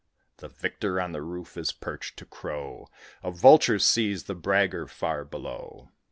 The victor on the roof is perched, to crow; A vulture sees the bragger far below.